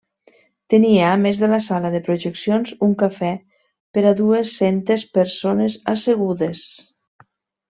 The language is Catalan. Tenia a més de la sala de projeccions un cafè per a dues-centes persones assegudes.